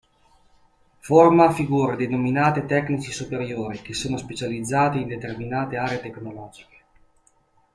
Forma figure denominate "tecnici superiori" che sono specializzati in determinate aree tecnologiche.